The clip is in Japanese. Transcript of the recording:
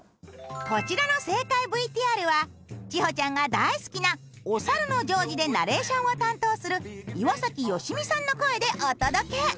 こちらの正解ＶＴＲは千穂ちゃんが大好きな「おさるのジョージ」でナレーションを担当する岩崎良美さんの声でお届け。